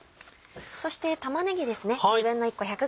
そして玉ねぎですね。